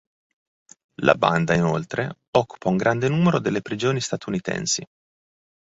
La banda inoltre occupa un grande numero delle prigioni statunitensi.